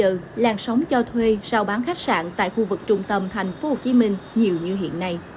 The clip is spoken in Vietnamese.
từ lần đầu tiên làn sóng cho thuê rao bán khách sạn tại khu vực trung tâm tp hcm nhiều như hiện nay